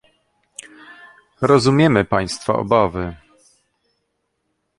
Rozumiemy państwa obawy